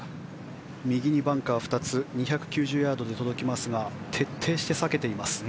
右にバンカー２つ２９０ヤードで届きますが徹底して避けています。